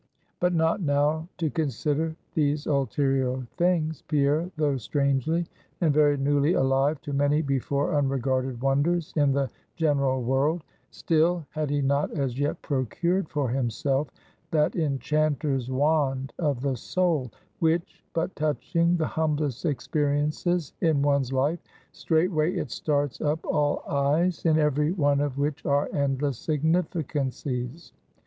But not now to consider these ulterior things, Pierre, though strangely and very newly alive to many before unregarded wonders in the general world; still, had he not as yet procured for himself that enchanter's wand of the soul, which but touching the humblest experiences in one's life, straightway it starts up all eyes, in every one of which are endless significancies.